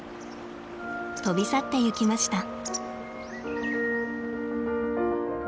飛び去っていきました。